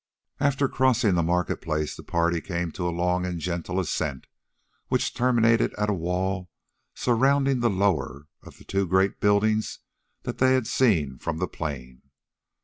After crossing the market place the party came to a long and gentle ascent, which terminated at a wall surrounding the lower of the two great buildings that they had seen from the plain.